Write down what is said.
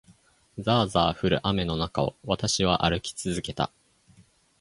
ざあざあ降る雨の中を、私は歩き続けた。